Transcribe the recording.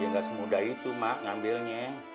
ya gak semudah itu mak ngambilnya